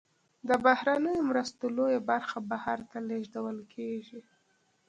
د بهرنیو مرستو لویه برخه بهر ته لیږدول کیږي.